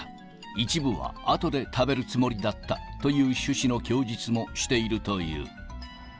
一部はあとで食べるつもりだったという趣旨の供述もしているという。